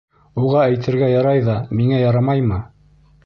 Уға әйтергә ярай ҙа, миңә ярамаймы?